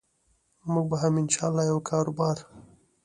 موږ به هم إن شاء الله یو کاربار